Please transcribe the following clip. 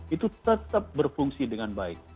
itu tetap berfungsi dengan baik